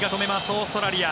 オーストラリア。